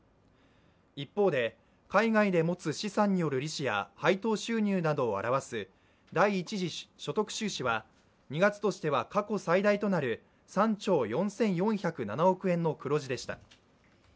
一方で、海外で持つ資産による利子や配当収入などを表す第１次所得収支は２月としては過去最大となる３兆４４０７億円の黒字でした。